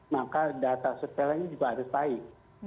maka data setelahnya juga harus baik